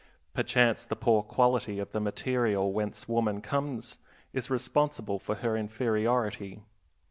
Perchance the poor quality of the material whence woman comes is responsible for her inferiority.